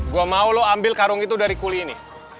gue mau lo ambil karung itu dari kuli ini